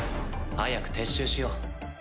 早く撤収しよう。